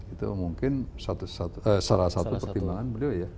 itu mungkin salah satu pertimbangan beliau ya